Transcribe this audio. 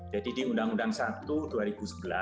jadi di undang undang no satu tahun dua ribu sebelas